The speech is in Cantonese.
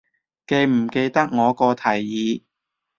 記唔記得我個提議